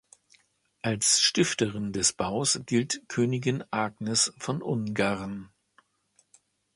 Als Stifterin des Baus gilt Königin Agnes von Ungarn.